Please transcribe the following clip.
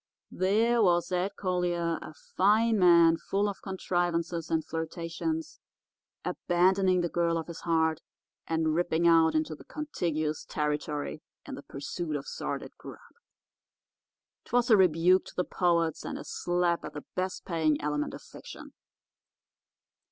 There was Ed Collier, a fine man full of contrivances and flirtations, abandoning the girl of his heart and ripping out into the contiguous territory in the pursuit of sordid grub. 'Twas a rebuke to the poets and a slap at the best paying element of fiction.